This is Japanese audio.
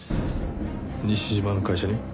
西島の会社に？